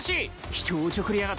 人をおちょくりやがって。